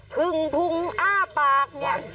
พึ่งพุงอ้าปากเนี่ย